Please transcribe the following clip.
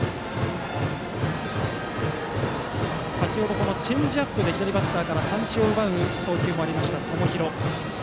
先程はチェンジアップで左バッターから三振を奪う投球もあった友廣。